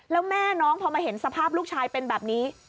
แล้วแม่น้องพอมาเห็นสภาพลูกชายเป็นแบบนี้